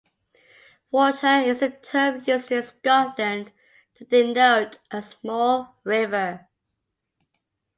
'Water' is a term used in Scotland to denote a small river.